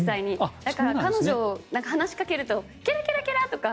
だから彼女、話しかけるとケラケラケラとか。